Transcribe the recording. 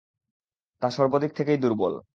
তবে তা সর্বদিক থেকেই দুর্বল।